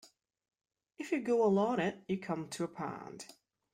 If you go along it, you come to a pond.